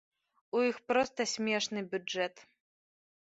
У іх проста смешны бюджэт.